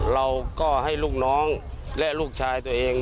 เราก็ให้ลูกน้องและลูกชายตัวเอง